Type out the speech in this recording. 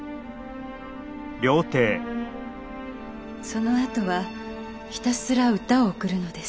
そのあとはひたすら歌を贈るのです。